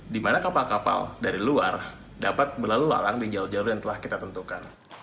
di mana kapal kapal dari luar dapat berlalu lalang di jalur jalur yang telah kita tentukan